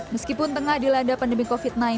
meskipun tengah dilanda pandemi covid sembilan belas